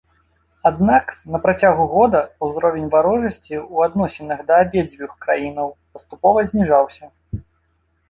Аднак на працягу года ўзровень варожасці ў адносінах да абедзвюх краінаў паступова зніжаўся.